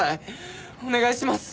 お願いします。